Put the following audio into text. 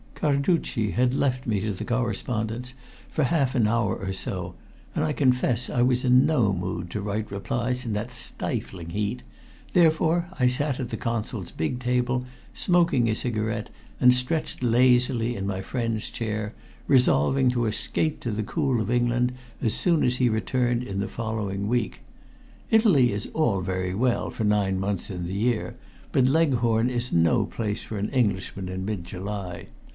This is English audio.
Carducci had left me to the correspondence for half an hour or so, and I confess I was in no mood to write replies in that stifling heat, therefore I sat at the Consul's big table, smoking a cigarette and stretched lazily in my friend's chair, resolving to escape to the cool of England as soon as he returned in the following week. Italy is all very well for nine months in the year, but Leghorn is no place for the Englishman in mid July.